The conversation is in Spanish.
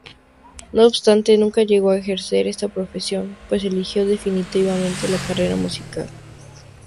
No obstante, nunca llegó a ejercer esta profesión, pues eligió definitivamente la carrera musical.